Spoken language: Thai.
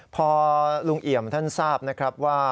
พอลุงเอี่ยมท่านทราบนะครับว่า